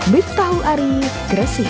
bip tahu ari kresik